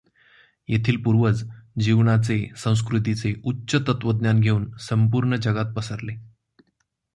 येथील पूर्वज जीवनाचे, संस्कृतीचे उच्च तत्त्वज्ञान घेऊन संपूर्ण जगात पसरले.